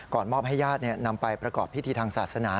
มอบให้ญาตินำไปประกอบพิธีทางศาสนา